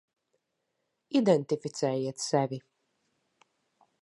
Identificējiet sevi.